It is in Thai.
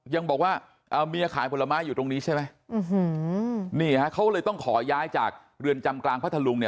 ยังบอกว่าเมียขายผลไม้อยู่ตรงนี้ใช่ไหมนี่ฮะเขาเลยต้องขอย้ายจากเรือนจำกลางพัทธลุงเนี่ย